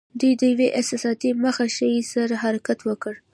دوی د یوې احساساتي مخه ښې سره حرکت وکړ.